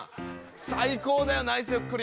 最高だよナイスひょっこり。